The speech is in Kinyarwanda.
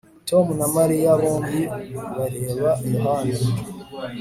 Tom na Mariya bombi bareba Yohana